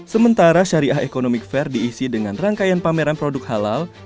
sementara syariah economic fair diisi dengan rangkaian pameran produk halal